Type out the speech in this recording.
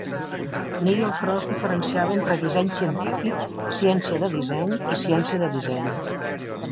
Nigel Cross diferenciava entre disseny científic, ciència de disseny i ciència de disseny.